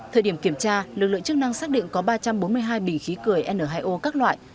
thời điểm kiểm tra lực lượng chức năng xác định có ba trăm bốn mươi hai bình khí cười n hai o các loại